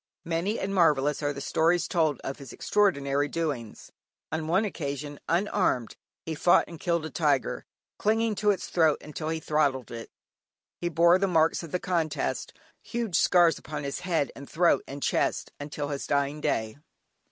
Many and marvellous are the stories told of his extraordinary doings. On one occasion, unarmed, he fought and killed a tiger, clinging to its throat until he throttled it. He bore the marks of the contest, huge scars upon his head, and throat, and chest, until his dying day.